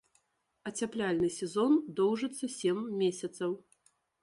Ацяпляльны сезон доўжыцца сем месяцаў.